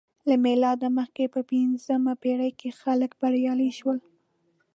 له میلاده مخکې په پنځمه پېړۍ کې خلک بریالي شول